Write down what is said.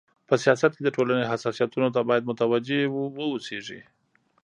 په سیاست کي د ټولني حساسيتونو ته بايد متوجي و اوسيږي.